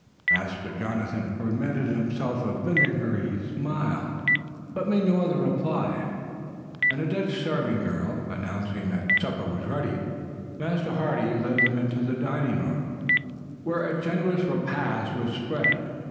Master Jonathan permitted himself a vinegary smile, but made no other reply, and, a Dutch serving girl announcing that supper was ready, Master Hardy led them into the dining room, where a generous repast was spread.